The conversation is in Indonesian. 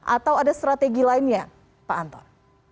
atau ada strategi lainnya pak anton